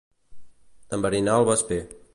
Enverinar el vesper.